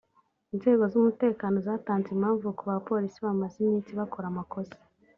inzego z’umutekano zatanze impamvu kubapolici bamaze iminsi bakora amakosa